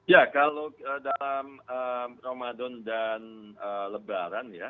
ya kalau dalam ramadan dan lebaran ya